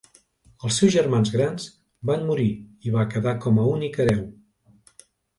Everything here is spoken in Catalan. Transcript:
Els seus germans grans van morir i va quedar com únic hereu.